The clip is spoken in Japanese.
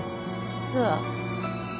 実は